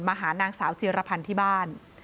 มาหานางสาวเจียรพรรณที่บ้าน